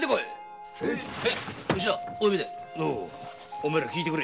お前ら聞いてくれ。